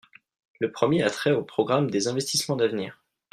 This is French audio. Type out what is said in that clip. Le premier a trait au programme des investissements d’avenir.